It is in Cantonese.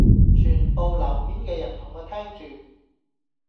全部樓面嘅人同我聽住